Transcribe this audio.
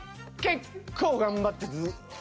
結構頑張ってずっ。